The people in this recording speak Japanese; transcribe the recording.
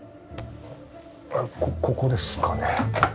ここですかね？